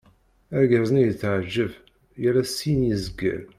Argaz-nni yetɛeğğeb, yal ass syin i zegger.